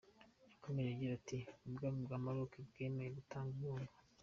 Yakomeje agira ati “Ubwami bwa Maroc bwemeye gutanga inkunga.